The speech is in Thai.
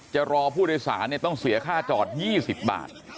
จะรอผู้โดยสารต้องเสียค่าจอด๒๐บาท